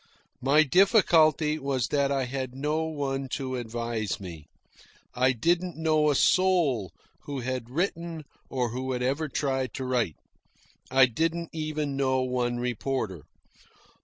My difficulty was that I had no one to advise me. I didn't know a soul who had written or who had ever tried to write. I didn't even know one reporter.